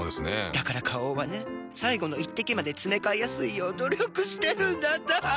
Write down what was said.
だから花王はね最後の一滴までつめかえやすいよう努力してるんだって。